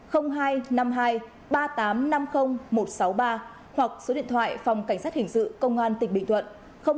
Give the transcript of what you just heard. hoặc số điện thoại phòng cảnh sát hình sự công an tỉnh bình thuận